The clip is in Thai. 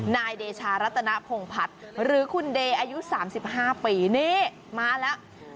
นายเดชารัตนพงพัฒน์หรือคุณเดย์อายุ๓๕ปีนี่มาแล้ว